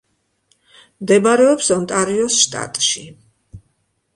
მდებარეობს ონტარიოს შტატში.